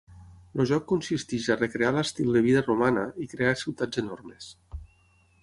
El joc consisteix a recrear l'estil de vida romana i crear ciutats enormes.